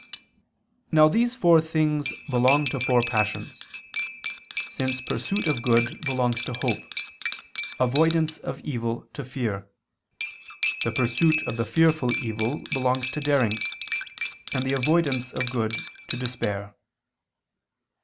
Now these four things belong to four passions, since pursuit of good belongs to hope, avoidance of evil to fear, the pursuit of the fearful evil belongs to daring, and the avoidance of good to despair.